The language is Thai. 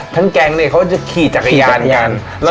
ทั้งกลางจะขี่จากอายานกัน